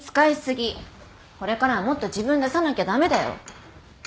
これからはもっと自分出さなきゃ駄目だよ。